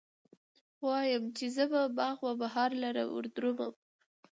وايم، چې به زه باغ و بهار لره وردرومم